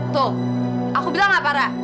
tuh aku bilang gak parah